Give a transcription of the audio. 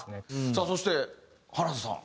さあそして原田さん。